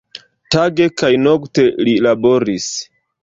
Tage kaj nokte li laboris.